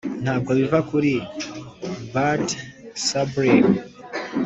ntabwo biva kuri bard sublime,